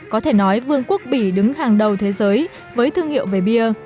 có thể nói vương quốc bỉ đứng hàng đầu thế giới với thương hiệu về bia